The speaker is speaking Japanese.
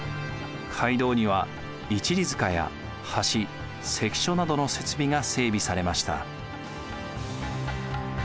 街道には一里塚や橋関所などの設備が整備されました。